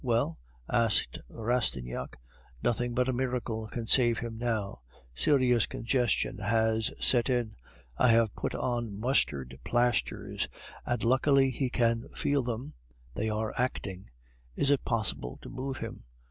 "Well?" asked Rastignac. "Nothing but a miracle can save him now. Serous congestion has set in; I have put on mustard plasters, and luckily he can feel them, they are acting." "Is it possible to move him?"